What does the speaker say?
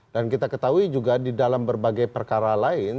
dan kita ketahui juga di dalam berbagai perkara lain